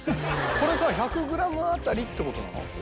これさ１００グラム当たりって事なの？